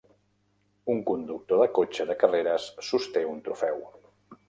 Un conductor de cotxe de carreres sosté un trofeu.